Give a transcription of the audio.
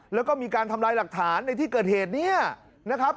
แล้วก็มีการทำลายหลักฐานในที่เกิดเหตุเนี่ยนะครับ